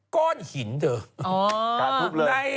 ก้อนหินเนี่ย